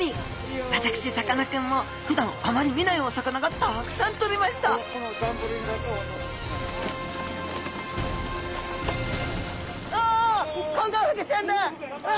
私さかなクンもふだんあまり見ないお魚がたくさん取れましたうわ